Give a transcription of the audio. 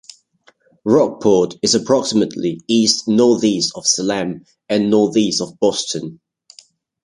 Rockport is approximately east-northeast of Salem and northeast of Boston.